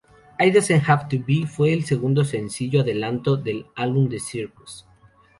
It Doesn't Have to Be fue el segundo sencillo adelanto del álbum The Circus.